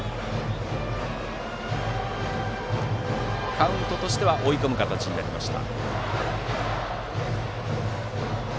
カウントとしては追い込む形になりました。